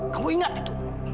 kamu ingat itu